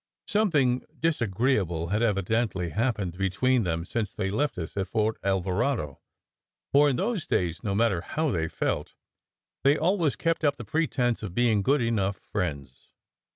Something disagreeable had evidently happened between them since they left us at Fort Alvarado; for in those days, no matter how they felt, they always kept up the pretence of being good enough friends.